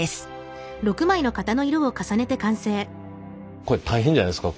これ大変じゃないですか？